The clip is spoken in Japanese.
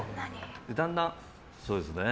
だんだん、そうですね。